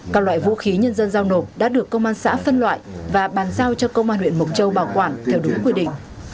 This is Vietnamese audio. các loại vũ khí nhân dân giao nộp đã được công an xã phân loại và bàn giao cho công an huyện mộc châu bảo quản theo đúng quy định